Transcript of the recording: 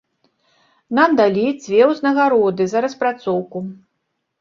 Нам далі дзве ўзнагароды за распрацоўку.